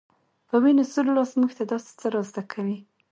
په وينو سور لاس موږ ته داسې څه را زده کوي